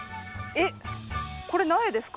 えっこれ苗ですか？